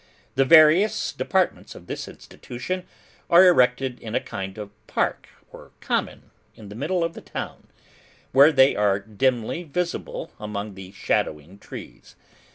The various departments of this Institution are erected in a kind of park or common in the middle of the town, where they are dimly visible among the shadowing trees.